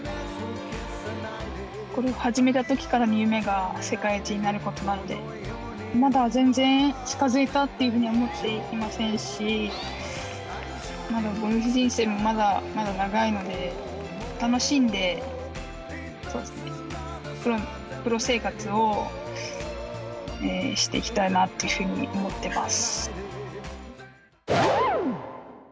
ゴルフを始めたときからの夢が世界一になることなので、まだ全然近づいたっていうふうには思っていませんし、まだゴルフ人生も、まだまだ長いので、楽しんでプロ生活をしていきたいなっていうふうに思ってます。